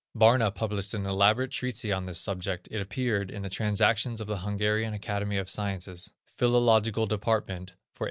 Barna published an elaborate treatise on this subject; it appeared in the Transactions of the Hungarian Academy of Sciences, Philological Department, for 1870.